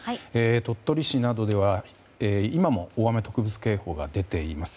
鳥取市などでは今も大雨特別警報が出ています。